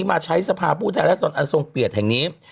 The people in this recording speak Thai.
มาใช้สภาพผู้ทายและสนอันทรงเปลี่ยนแห่งนี้